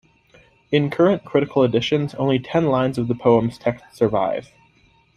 In current critical editions, only ten lines of the poem's text survive.